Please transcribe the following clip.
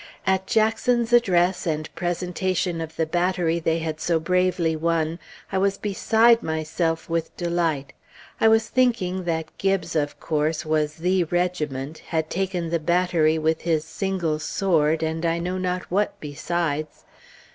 At Jackson's address, and presentation of the battery they had so bravely won, I was beside myself with delight; I was thinking that Gibbes, of course, was "the" regiment, had taken the battery with his single sword, and I know not what besides.